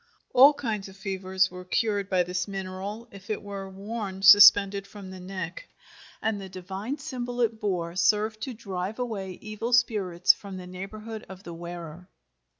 All kinds of fevers were cured by this mineral if it were worn suspended from the neck, and the divine symbol it bore served to drive away evil spirits from the neighborhood of the wearer.